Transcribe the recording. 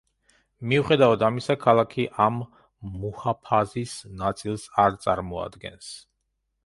მიუხედავად ამისა, ქალაქი ამ მუჰაფაზის ნაწილს არ წარმოადგენს.